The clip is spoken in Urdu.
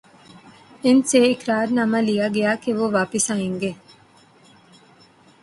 ان سے اقرار نامہ لیا گیا کہ وہ واپس آئیں گے۔